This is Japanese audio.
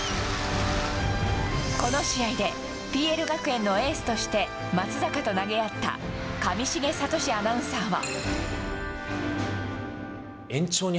この試合でＰＬ学園のエースとして松坂と投げ合った上重聡アナウンサーは。